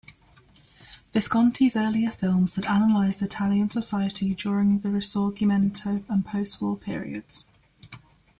Visconti's earlier films had analyzed Italian society during the Risorgimento and postwar periods.